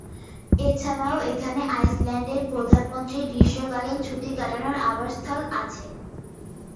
এছাড়াও এখানে আইসল্যান্ডের প্রধানমন্ত্রীর গ্রীষ্মকালীন ছুটি কাটানোর আবাসস্থল আছে।